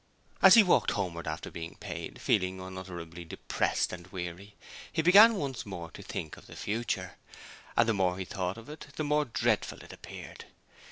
As he walked homewards after being paid, feeling unutterably depressed and weary, he began once more to think of the future; and the more he thought of it the more dreadful it appeared.